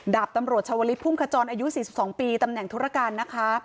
ดาบตำรวจชาวลิศพุ่งขจรอายุสี่สิบสองปีตำแหน่งธุรกรรมนะคะ